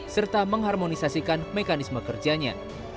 serta mengharmonisasikan mekanisme kerjanya